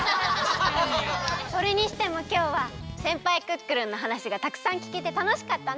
それにしてもきょうはせんぱいクックルンのはなしがたくさんきけてたのしかったね！